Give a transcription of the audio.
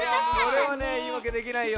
これはねいいわけできないよ。